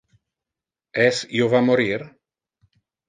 Es io va morir?